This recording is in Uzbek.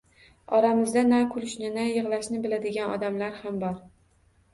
Oramizda na kulishni, na yig‘lashni biladigan odamlar ham bor.